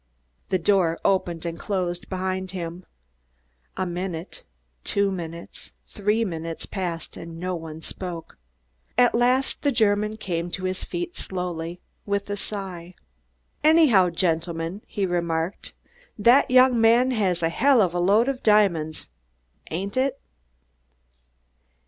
The door opened and closed behind him. A minute, two minutes, three minutes passed and no one spoke. At last the German came to his feet slowly with a sigh. "Anyhow, gendlemens," he remarked, "dat young man has a hell of a lod of diamonds, ain'd id?"